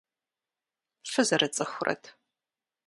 Фызэрыцӏыхурэт?